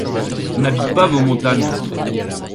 n’habite pas vos montagnes